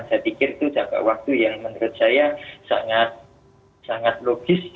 saya pikir itu jangka waktu yang menurut saya sangat logis